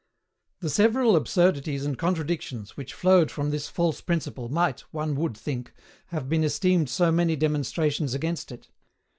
The several absurdities and contradictions which flowed from this false principle might, one would think, have been esteemed so many demonstrations against it.